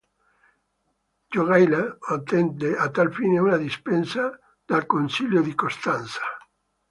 Jogaila ottenne a tal fine una dispensa dal concilio di Costanza.